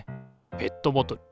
ペットボトル。